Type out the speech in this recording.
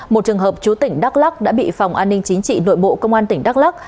một trường hợp chú tỉnh đắk lắc đã bị phòng an ninh chính trị nội bộ công an tỉnh đắk lắc